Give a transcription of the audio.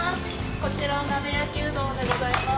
こちら鍋焼きうどんでございます。